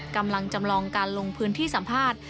กำลังจำลองการลงพื้นที่สัมภาษณ์